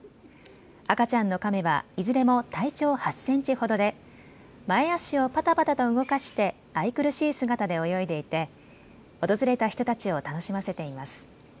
赤ちゃんのカメはいずれも体長８センチほどで前足をパタパタと動かして愛くるしい姿で泳いでいて訪れた人たちを楽しませています。